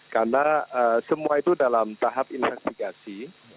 karena semua itu dalam tahap investigasi